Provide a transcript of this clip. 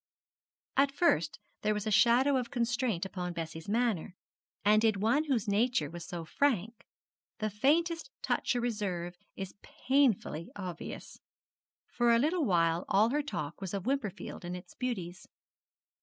At first there was a shadow of constraint upon Bessie's manner; and in one whose nature was so frank, the faintest touch of reserve was painfully obvious. For a little while all her talk was of Wimperfield and its beauties.